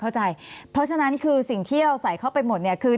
เข้าใจเพราะฉะนั้นคือสิ่งที่เราใส่เข้าไปหมดเนี่ยคือ